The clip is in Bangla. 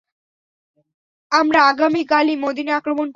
আমরা আগামী কালই মদীনা আক্রমণ করব।